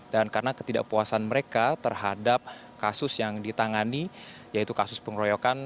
karena ketidakpuasan mereka terhadap kasus yang ditangani yaitu kasus pengeroyokan